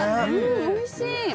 おいしい！